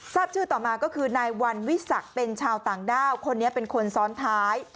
ทราบชื่อต่อมาก็คือนายวันวิสักเป็นชาวต่างด้าวคนนี้เป็นคนซ้อนท้าย